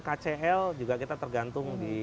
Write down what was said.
kcl juga kita tergantung di